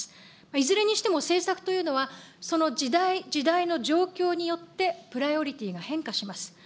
いずれにしても政策というのは、その時代時代の状況によって、プライオリティーが変化します。